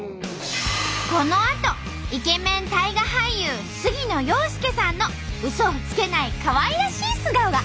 このあとイケメン大河俳優杉野遥亮さんのうそをつけないかわいらしい素顔が。